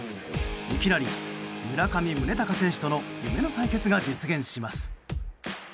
いきなり村上宗隆選手との夢の対決が実現します。